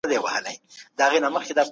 د دولتونو ترمنځ تفاهم لیکونه لاسلیک کیږي.